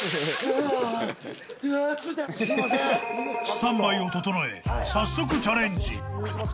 ［スタンバイを整え早速チャレンジ］